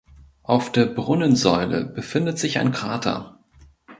Auf der Brunnensäule befindet sich ein Krater.